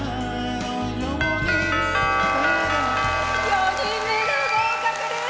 ４人目の合格です！